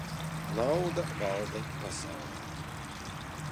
Nauda valda pasauli.